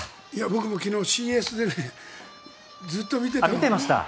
僕も昨日ＣＳでずっと見てた。